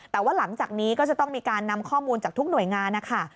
แต่ว่าหลังจากนี้ก็จะต้องมีการนำข้อมูลจากทุกหน่วยงานนะคะ